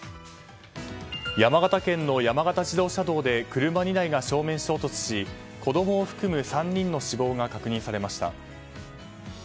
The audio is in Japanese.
山形県の山形自動車道で車２台が正面衝突し、子供を含む３人の死亡が確認されました。